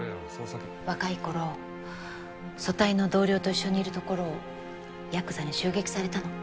若い頃組対の同僚と一緒にいるところをヤクザに襲撃されたの。